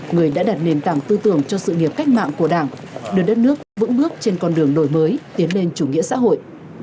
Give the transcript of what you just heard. người đã đặt nền tảng tư tưởng cho sự nghiệp cách mạng của đảng đưa đất nước vững bước trên con đường đổi mới tiến lên chủ nghĩa xã hội